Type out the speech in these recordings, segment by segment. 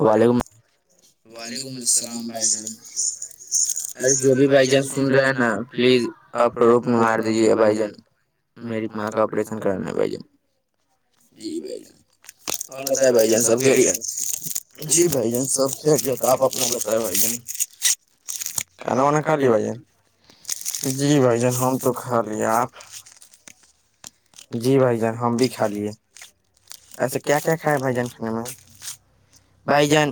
وعلیکم وعلیکم السلام بھائی جان ارے جو بھی بھائی جان سن رہے ہیں نا پلیز- اپروپ میں مار دیجیے بھآئی جن میری ماں کا آپریشن کرانا ہے بھائی جن جی بھائی جان اور بتائیں بھائی جان سب خیریت جی بھائی جان سب خیریت آپ اپنا بتائیں بھائی جان کھانا وانا کھا لیے بھائی جان جی بھائی جان ہم تو کھا لے آپ جی بھائی جان ہم بھی کھا لیے اچھا کیا کیا کھایا بھائی جان خانے میں بھائی جان-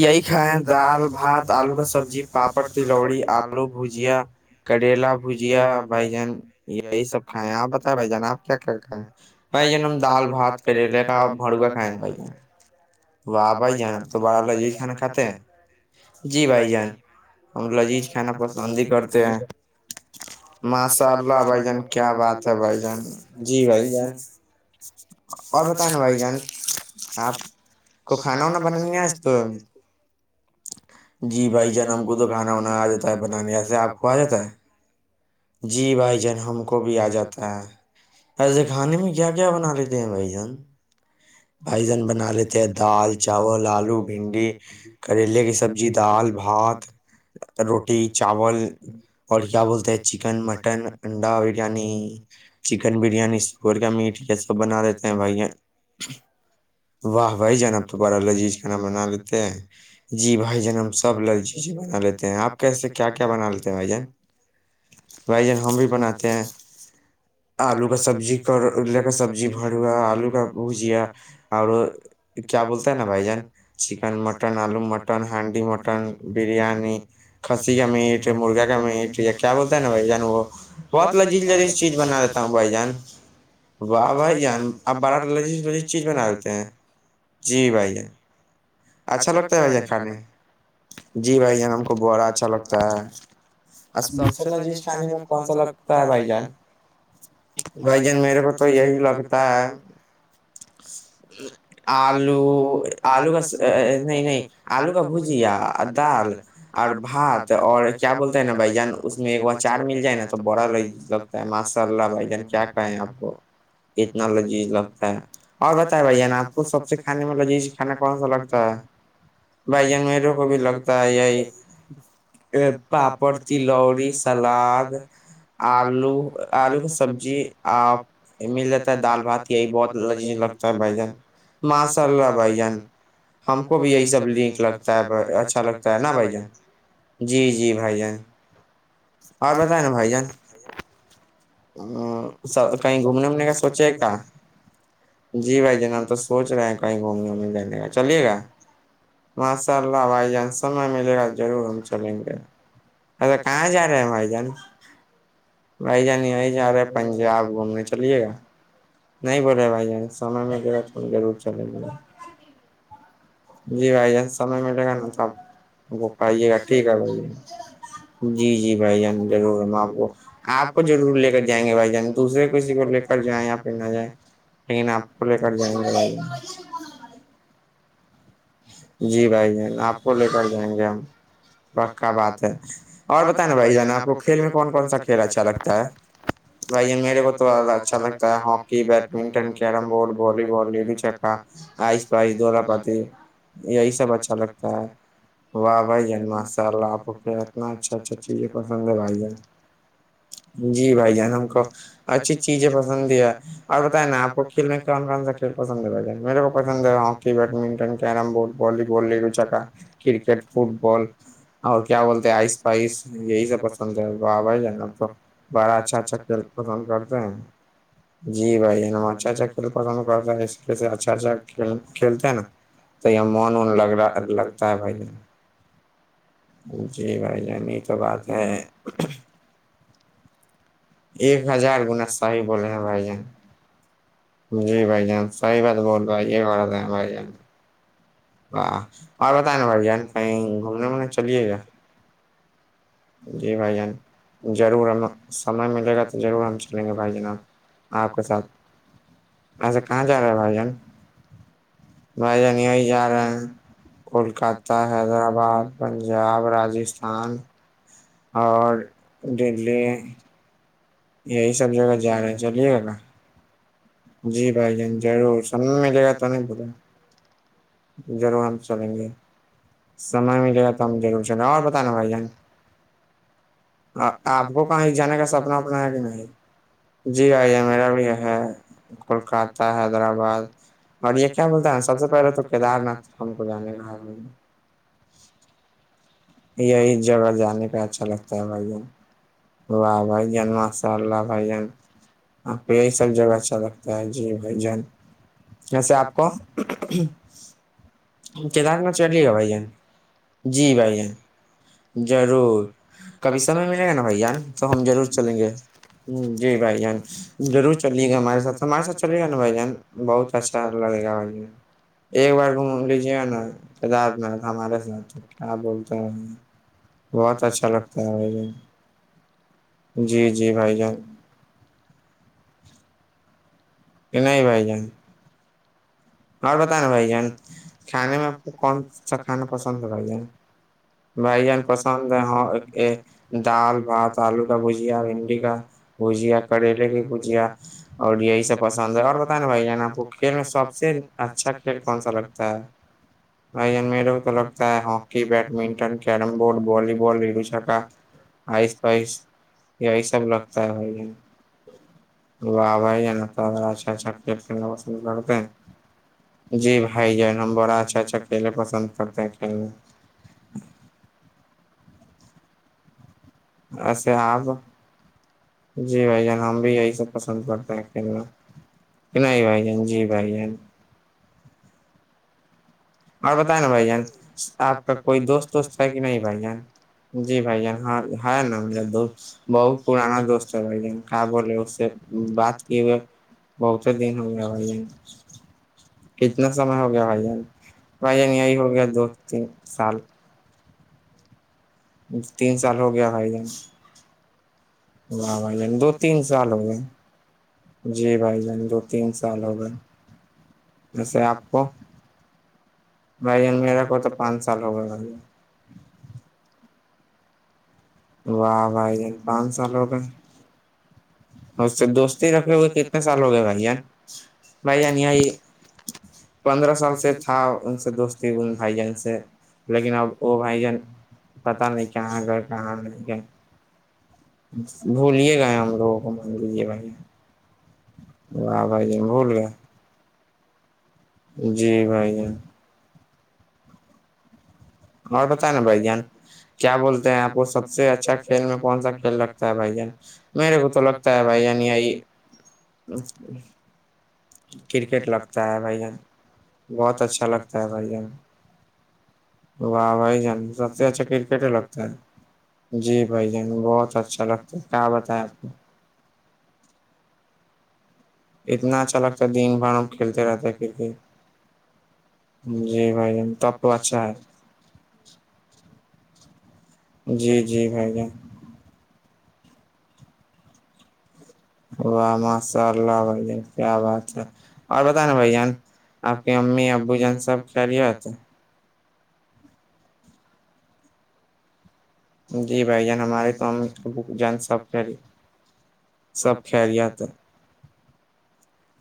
یہی کھائے ہیں دال بھات آلو کا سبزی پاپڑ تلوڑی آلو بھجیا- کریلا بھجیا بیگن یہی سب کھائے ہیں آپ بتائیں بھآئی جان آپ- کیا کر ہے بھائی جان ہم دال بھات کریلے کا بھڑوا کھائے ہیں بھائی جان- واہ بھائی جان آپ تو بڑا لذیذ کھانا کھاتے ہیں- جی بھائی جان ہم لذیذ کھانا پسند ہی کرتے ہیں- ماشاء اللہ بھآئی جان کیا بات ہے بھائی جان جی بھائی جان- اور بتایں نا بھائی جان- آپ کو کھانا وانا بنائےگے آج تو- جی بھائی جان ہم کو تو کھانا وانا آ جاتا ہے بنانے ویسے آپ کو آ جاتا ہے- جی بھائی جان ہم کو بھی آ جاتا ہے ایسے کھانے میں کیا کیا بنا لیتے- جی بھآئی جان- بھائی جان بنا لیتے ہیں دال چاول آلو بھنڈی کریلے کے سبزی- سبزی دال بھات روٹی چاول اور کیا بولتے- چکن مٹن انڈا بریانی چکن بریانی سور کا میٹ- سب بنا لیتے ہیں بھائی جان- واہ بھائی جان آپ تو بڑا لذیذ کھانا بنا لیتے جی بھائی جان ہم سب لذیذ- جی جی بنا لیتے ہیں آپ کیسے کیا کیا بنا لیتے ہیں بھائی جان- بھائی جان ہم بھی بناتے ہیں آلو کا سبزی اور- سبزی بھروا آلو کا بھجیا اور کیا بولتا ہے نا بھائی جان- چکن مٹن آلو مٹن ہانڈی مٹن بریانی کسی کا میٹ- مرغا کا میٹ ہے کیا بولتا ہےنا بھائی جان وہ بہت لذیذ- لذیز چیز بنا لیتا ہوں بھائی جان- واہ بھائی جان آپ بڑا لذیذ لذیذ چیز بنا لیتے ہیں جی بھائی جان- اچھا لگتا بھائی جان کھانے- جی بھائی جان ہم کو بڑا اچھا لگتا ہے- سب سے لذیذ کھانے میں کون سا لگتا ہے بھائی جان بھائی جان میرے کو تو- تو یہی لگتا ہے- آلو آلو کا سب- نہیں- نہیں آلو کا بھجیا دال اور بھات اور- کیا بولتے ہیں نا بھائی جان اس میں ایگو اچار مل جائے نا تو بڑا لذیذ لگتا ہے ماشاء اللہ بھائی جان کیا کہے آپ کو- [inaudible] کتنا لذیذ لگتا ہے اور بتائے بھائی جان آپ کو سب سے کھانے میں لذیذ کھانا کون سا لگتا بھائی جان میرے کو بھی لگتا ہے یہی- پاپڑ پولوڑھی سلات آلو، آلو کا سبزی آم مل جاتا ہے دال بھات یہی بہت لذیذ لگتا ہے بجن ماسالا بجن- ہم کو بھی یہی سب لک لگتا ہے اچھا لگتا ہے نا بھ جان- جی-جی بھائی جان, اور بتائے نا بھائی جان- ا س کہیں گھومنے وومنے کا سوچے کیا- جی بھائی جناام تو سوچ رہے ہیں کہیں گھومنے وومنے جاننے کا چلیے گا ماشاء اللہ بھائی جان سمے ملے گا ضرور ہم چلیں گے اچا کہاں جا رہے ہیں بھائی جان بھائی جان یہی جا رہے پنجاب گھومنے چلیے گا نہیں بولے بھائی جان سمے میں گا تو ہم ضرور چلیں گے جی بھائی ج سمے ملے گا نا سب وہ پائیے گا ٹھیک ہے بھائی جی جی بھائی جان ضرور ہم آپ کو آپ کو ضرور لے کر جائیں گے بھائی جان دوسرے کسی کو لے جائیں یا پھر نہ جائیں لیکن آپ کو لے کر جائیں ب- جی بھائی ج آپ کو لے کر جائیں گے ہم پکا بات ہے اور بت نا بھائی جانا آپ کو کھیل میں کون کون سا کھیل اچھا لگتا ہے بھائی میرے کو تو ز اچھا لگتا ہے hockey badminton carrom board volleyball لیڈی چکا آئس پائس دلہ پات یہی سب اچھا لگتا ہے واہ بھائی جان ماشاء اللہ آپ کو کیا اتنا اچھا اچھا چیزیں پسند ہے بھائی جان جی بھائی جان ہم کو اچھی چیزیں پسند ہی ہے اور بتائے نا آپ کو کیا کھیل میں کون کون سا کھیل پسند ہے ب میرے کو پسند ہے hockey badminton carrom board volleyball لیرو چکا کرکٹ فٹ بال اور کیا بولتے آئس یہی سب پسند ہے وہ آ ہی ج نا تو بڑا اچھا اچھا کھیل پسند کرتے ہیں جی بھائی ن اچھا اچھا کھیل پسند کرتا ہے اس اچھا اچھال کھیلتے ہیں نا تو یہ من ان لگ رہا لگتا ہے بھائی جن جی بھائی جان تو بات ہے ایک ہزار گناصاہی بولے ہیں بھائی جان جی بھائی جان صحی بات بول رہے بائی یہ بات ہے بھائی جان و اور بتیں نا بھائی جان کہیں گھومنے وومنے چلیے گا جی بھائی جان ضرور ہم سمے ملے گا تو ضرور ہم چلیں گے بھائی جان آپ آپ کے ساتھ اسا کہاں جا رہے ہے بھائی جان بھائی جان یہی جا رہے ہیں کولکاتہ حیدرآباد پنجاب راجستھان اور دللی یہی سب جگہ جا رہے ہیں چلیے گ نا جی بھائی جان ضرور سب ملے گا تو نہیں بلا رور ہم چلیں گے سمے ملے گا تو ہم ضرور چ اور بتانا بھائی جان آپ کو کہیں جانے کا سپنا اپنا ہے کہ نہیں جی بھائییا میرا بھی ہے کولکاتہ حیدرآباد اور یہ کیا بولتا ہیں ن سب سے پہلے تو کیدار ناتھ ہم کو جانے کا ہے یہی جگہ جانے کا اچھا لگتا ہے بھیا واہ بائی جین ماشاء اللہ بائی جین آپ کو یہی سب جگہ اچھا لگتا ہے جی بھ جان جسے آپ کو [unintelligible] کیدار ناتھ چٹلیے گا بھائی جان جی بھائی جان ضرور کبھی سمے ملے گا نا بھائی ان تو ہم ضرور چلیں گے ہ جی بھائی ان ضرور چلیے گا ہمارے ساتھ ہمارے ساتھ چلے گا نا بھجن بہت اچھا لگے گا بھن ایک بار گھوم لیجے گ نا کیدار ناتھ ہمارے ساتھ تو کیا بول بہت اچھا لگتا ہے م دن جی جی بھائی جان نہیں بائی جائ اور بتیںا بھائی جان کھانے میں آپ کو کون سا کھانا پسند ہے بھائی جان بھائی جان پسند ہیں ہاں دال بھات آلو کا بھجیا بھنڈی کا بھجیا کریلے کی بھجیا اور یہی سب پسند ہے اور بتیںا بھائی جانا آپ کو کھیل میں سب سے اچھا کھیل کون سا لگتا ہے بھجن میرو تو لگتا ہے hockey badminton carrom board volleyball لڈو چکا آس پائس یہی سب لگتا ہے بھائی جن و بھائی ہے نا تو ہما اچھا اچھا پٹ کنا پسند کرتے ہیں جی بھائی ج ن بڑا اچھا اچھا کھیلے پسند کرتے ہیں کھیلنے اسے آپ جی بھائی جان ہم بھی یہی سب پسند کرتے ہیں کھیلنا نہیں بھائی جان جی بھائی جان اور بتائیں نا بھائی جان آپ کا کوئی دوست وست ہے کہ نہیں بھائی جان جی بھائی جان ہاں ہے نا میرا دوست بہت پرانا دوست ہے بھائی جان کہ بولے اس سے بات کی ہوئے بہتے دن ہو گیا بھائی جین کتنا سمے ہو گیا بھائی جان بھائی جان یہی ہو گیا دو تین سال تین سال ہو گیا بھائی جان و دو تین سال ہو گئے جی بھائی جان دو تین سال ہو گئے ویسے آپ کو بھائی جان میرے کو تو پانچ سال ہو گئے بھائی واہ بھائی ج پانچ سالوں کا اس سے دوستی رکھے ہوئے کتنے سال ہو گئے بھائی بھائی یہ پندرہ سال سے تھا ان سے دوستی ان بھائی جن سے لیکن اب وہ بھائی جان پتا نہیں کہاں گئے کہاں نہیں گئے بھولیے گئے ہم لوگوں کو مان لیجیے بھ و بائی جین بھول گ جی بھائی اور بت نا بھائی جان کیا بولتے ہیں آپ کو سب سے اچھا کھیل میں کون سا کھیل رکھتا ہے بھائی جان میرے کو تو لگتا ہے بھائی نی آئی کرکٹ لگتا ہے بھائی جان بہت اچھا لگتا ہے بھائی جان واہ بھائی جان سب سے اچھا کرکٹ ہی لگتا ہے جی بھائی جان بہت اچھا لگتا ہے کیا بتائے آپ کو اتنا اچھا لگتا ہے دن بھر ا کھیلتے رہتے ہیں کرکٹ جی بھائی جان تب تو اچھا ہے جی جی بھائی جان واہ ماشاء اللہ بھ جان کیا بات ہے اور بتائ نا بھ جان آپ کی امی ابو جن سب کر رہی ہوتے ہیں جی بھائی جان ہمارے تو ہم بک جان سب سب کہریا تو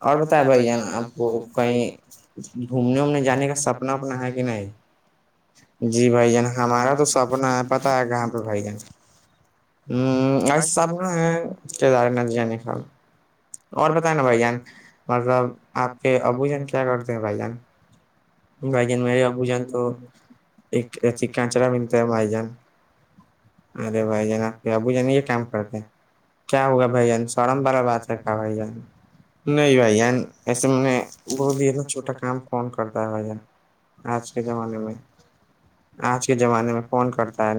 اور بتائے بھائی جان آپ کو کہیں گھومنے وومنے جانے کا سپنا اپنا ہے کہ نہیں جی بھائی جان ہمارا تو سپنا ہے پتا ہے کہاں پہ بھائی جان ہ دارے ن جین خ اور بتائیں نا بھائی جان مطلب آپ کے ابو جان کیا کرتے ہیں بھائی جان گائجن مریے ابو جن تو ایک ات کنچرا بھیتے مائی جان ارے بھائی جان آپ کے ابو جان یہ کام کرتے ہیں کیا ہوگا بھائی جان سڑم والا بات تھ کاا ہوائی ج گ نہیں بھائی جان ایسے میں نے بول دیا اتنا چھوٹا کام کون کرتا ہے بھائی جان آج کے زمانے میں آج کے زمانے میں کون کرتا ہے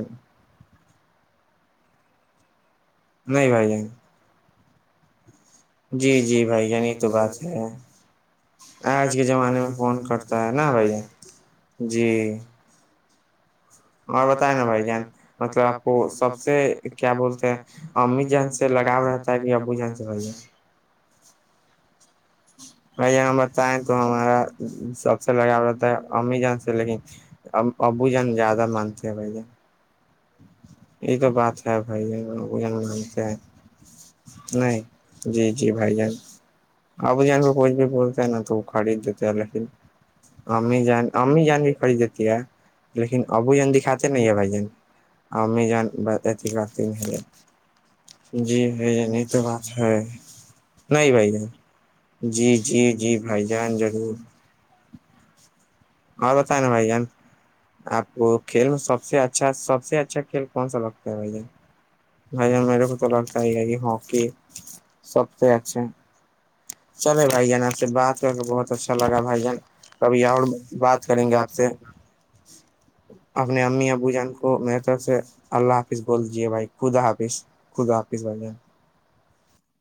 نہیں بھائی جان جی جی بھائی یعنی تو بات ہے آج کے زمانے میں فون کرتا ہے نا بھائی جی اور بتائے نا بھائی جان مطلب آپ کو سب سے کیا بولتے ہیں امی جن سے لگاؤ رہتا ت، آ بو جائس بائی ج بھائی ج ہم بتیں تو ہمارا سب سے لگا ہو رہتا ہے امی جان سے لیکن اب ابو جان زیادہ مانتے ہیں بھ جان یہ تو بات ہے بھن مان کے نہیں جی جی بھائی جان ابو جان پ کچھ بھی بولتے ہیں نا تو وہ خرید دیتے ہیں لیکن امی جان امی جان بھی خھڑی دیتی ہے لیکن ابھی ن دکھاتے نہیں ہے بھائی جن امی جان بھی کافی نہیں جی ری تو بات ہے [unintelligible] نہیں بھائی جان جی جی جی بھائی جان ضرور اور بت ہے نا بھ ج آپ کو کھیل میں سب سے اچھا سب سے اچھا کھیل کون سا لگتا ہے بھیا بھائی جان میرا کت لگتا ہے یہ ہکی سب تو اس چلے بھائی جان آپ سے بات کر کے بہت اچھا لگا بھائی جان کبھی اور بات کریں گے آپ سے اپنے امی ابو جان کو میے طرف سے اللہ حافظ بول دیجے بھائی خدا حافظ خود حافظ بنیں